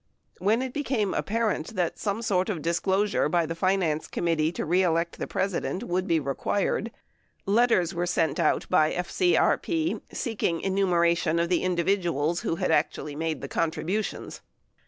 When it became apparent that some sort of disclosure by the Finance Committee To Re Elect the President would be re ouired, letters were sent out by FCRP seeking enumeration of the in dividuals who had actually made the contributions.